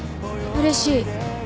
うれしい？